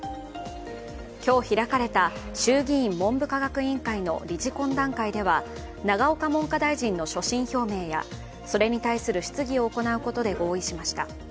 今日開かれた衆議院文部科学委員会の理事懇談会では永岡文科大臣の所信表明やそれに対する質疑を行うことで合意しました。